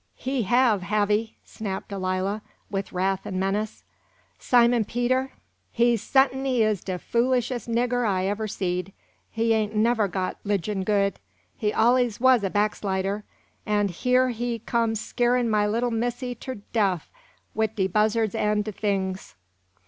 "He have, have he!" snapped Delilah, with wrath and menace. "Simon Peter, he su't'ny is de foolishest nigger I ever seed. He ain' never got 'ligion good; he allus wuz a blackslider, an' heah he come skeerin' my little missy ter def wid he buzzards an' he things!"